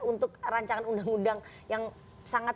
untuk rancangan undang undang yang sangat